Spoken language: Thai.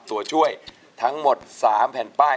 ตัวช่วยทั้งหมด๓แผ่นป้าย